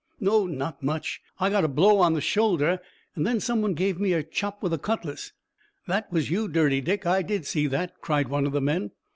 "No, not much. I got a blow on the shoulder, and then some one gave me a chop with a cutlass." "That was you, Dirty Dick! I did see that," cried one of the men.